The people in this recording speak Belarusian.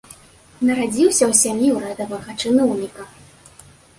Нарадзіўся ў сям'і ўрадавага чыноўніка.